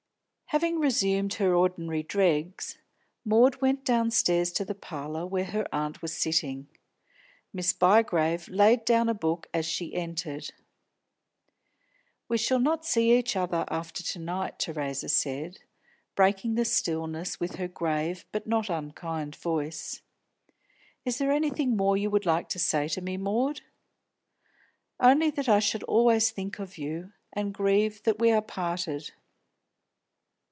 Having resumed her ordinary dregs, Maud went downstairs to the parlour where her aunt was sitting. Miss Bygrave laid down a book as she entered. "We shall not see each other after tonight," Theresa said, breaking the stillness with her grave but not unkind voice. "Is there anything more you would like to say to me, Maud?" "Only that I shall always think of you, and grieve that we are parted."